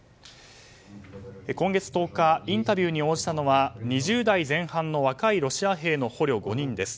今月１０日インタビューに応じたのは２０代前半の若いロシア兵の捕虜５人です。